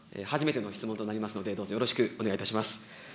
初めての質問となりますので、どうぞよろしくお願いいたします。